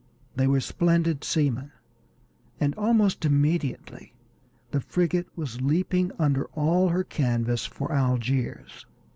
They were splendid seamen, and almost immediately the frigate was leaping under all her canvas for Algiers.